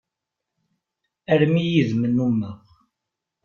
Armi yid-m nnumeɣ.